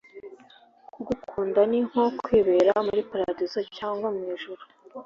kugukunda ni nko kwibera muri paradizo cyngwa mu ijuru